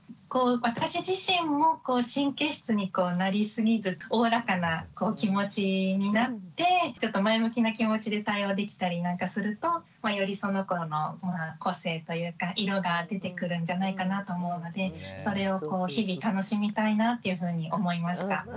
私自身も神経質になりすぎずおおらかな気持ちになってちょっと前向きな気持ちで対応できたりなんかするとよりその子の個性というか色が出てくるんじゃないかなと思うのでそれを日々楽しみたいなっていうふうに思いました。